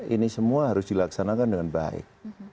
ini semua harus dilaksanakan dengan baik